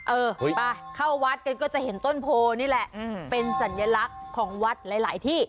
เออไปเข้าวัดกันก็จะเห็นต้นโพนี่แหละเป็นสัญลักษณ์ของวัดหลายที่